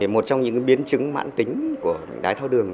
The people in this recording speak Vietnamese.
một trong những biến chứng mạng tính của đái tháo đường